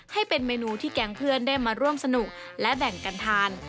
ให้เป็นเมนูที่แก๊งเพื่อนได้มาร่วมสนุกและแบ่งกันทาน